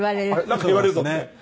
なんか言われるぞって。